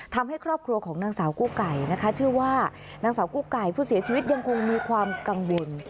ทำให้ครอบครัวของนางสาวกู้ไก่นะคะชื่อว่านางสาวกู้ไก่ผู้เสียชีวิตยังคงมีความกังวล